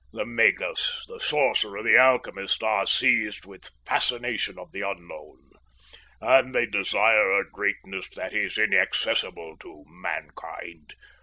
The magus, the sorcerer, the alchemist, are seized with fascination of the unknown; and they desire a greatness that is inaccessible to mankind.